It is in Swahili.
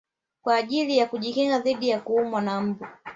Kwa ajili ya kujikinga dhidi ya kuumwa na mbu